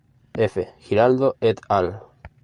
F. Giraldo et al.